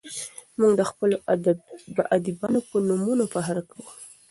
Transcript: موږ د خپلو ادیبانو په نومونو فخر کوو.